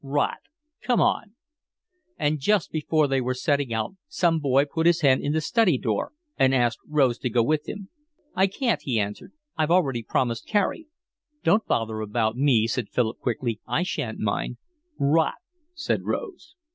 "Rot. Come on." And just before they were setting out some boy put his head in the study door and asked Rose to go with him. "I can't," he answered. "I've already promised Carey." "Don't bother about me," said Philip quickly. "I shan't mind." "Rot," said Rose.